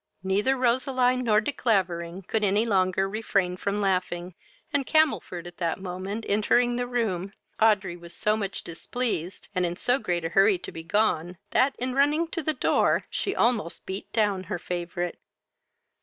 Neither Roseline nor De Clavering could any longer refrain from laughing, and Camelford that moment entering the room, Audrey was so much displeased, and in so great a hurry to be gone, that, in running to the door, she almost beat down her favourite.